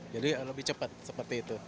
jadi lebih cepat seperti itu